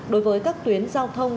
đối với các tuyến giao thông